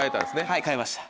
はい変えました。